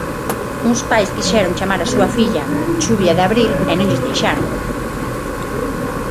Uns pais quixeron chamar a súa filla "Chuvia de Abril" e non lles deixaron.